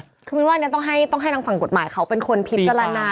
คือมินว่าอันนี้ต้องให้ทางฝั่งกฎหมายเขาเป็นคนพิจารณา